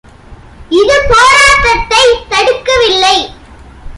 இது போராட்டத்தை தடுக்கவில்லை.